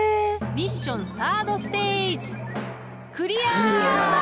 ミッションサードステージやった！